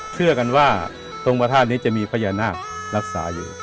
เชื่อกันว่าตรงพระธาตุนี้จะมีพญานาครักษาอยู่